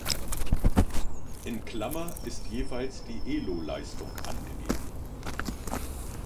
In Klammer ist jeweils die Eloleistung angegeben.